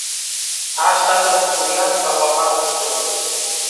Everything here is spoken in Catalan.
Ha estat ampliat per la part posterior.